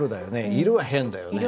「いる」は変だよね。